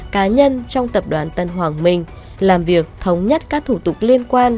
cá nhân trong tập đoàn tân hoàng minh làm việc thống nhất các thủ tục liên quan